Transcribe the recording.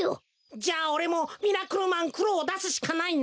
じゃあおれもミラクルマンくろをだすしかないな。